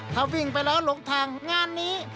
ถ้าวิ่งไปแล้วหลงทางงานนี้